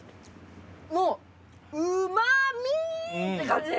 もう旨み！って感じ。